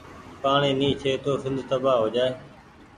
پآڻيٚ ني ڇي تو سند تبآه هوجآئي۔